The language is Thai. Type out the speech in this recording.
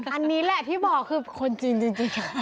อันนี้แหละที่บอกคือคนจีนจริง